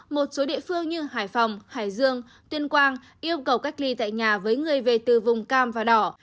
một số địa phương như hải phòng hải dương tuyên quang yêu cầu cách ly tại nhà với người về từ vùng cam và đỏ